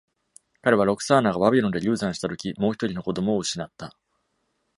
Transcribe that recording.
彼はロクサーナがバビロンで流産した時もう一人の子供を失った。